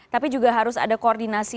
tapi juga harus ada koordinasi